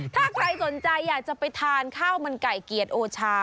ถ้าใครสนใจอยากจะไปทานข้าวมันไก่เกียรติโอชา